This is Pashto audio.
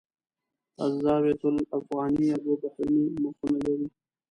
الزاویة الافغانیه دوه بهرنۍ مخونه لري.